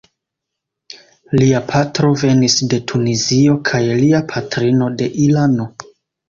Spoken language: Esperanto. Lia patro venis de Tunizio kaj lia patrino de Irano.